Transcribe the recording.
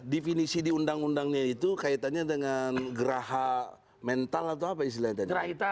definisi di undang undangnya itu kaitannya dengan geraha mental atau apa istilahnya tadi